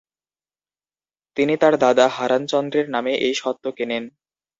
তিনি তার দাদা হারাণচন্দ্রের নামে এই স্বত্ব কেনেন ।